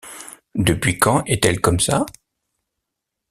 Depuis quand est-elle comme ça?